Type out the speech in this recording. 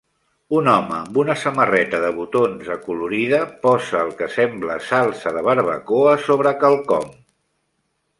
Un home amb una samarreta de botons acolorida posa el que sembla salsa de barbacoa sobre quelcom